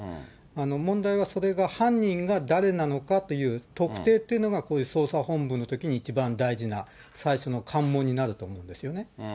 問題はそれが犯人が誰なのかという特定というのが、ここで捜査本部のときに一番大事な、最初の関門になると思うんですよね。